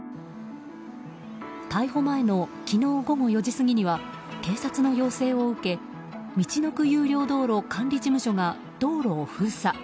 逮捕前の昨日午後４時過ぎには警察の要請を受けみちのく有料道路管理事務所が道路を封鎖。